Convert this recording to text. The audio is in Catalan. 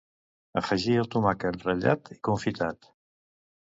Afegir el tomàquet ratllat i confitat.